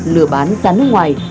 lửa bán ra nước ngoài